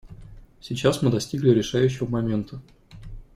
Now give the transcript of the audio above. Сейчас мы достигли решающего момента.